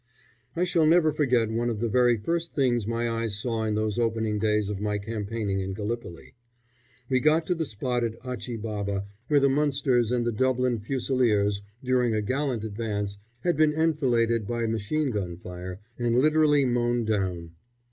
I shall never forget one of the very first things my eyes saw in those opening days of my campaigning in Gallipoli. We got to the spot at Achi Baba where the Munsters and the Dublin Fusiliers, during a gallant advance, had been enfiladed by machine gun fire and literally mown down.